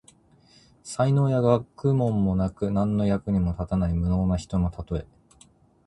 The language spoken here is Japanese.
才能や学問もなく、何の役にも立たない無能な人のたとえ。